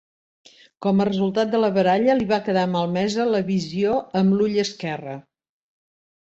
Com a resultat de la baralla li va quedar malmesa la visió amb l'ull esquerre.